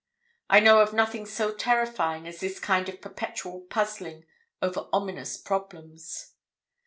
I know of nothing so terrifying as this kind of perpetual puzzling over ominous problems.